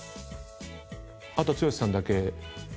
あと剛さんだけ。